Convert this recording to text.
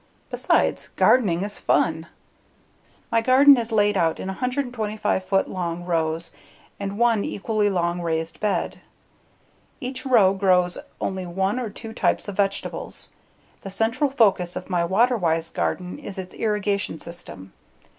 Besides, gardening is fun. My garden is laid out in 125 foot long rows and one equally long raised bed. Each row grows only one or two types of vegetables. The central focus of my water wise garden is its irrigation system.